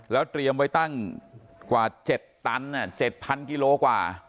แล้วเตรียมไว้ตั้งกว่า๗ตัน๗๐๐กิโลกว่า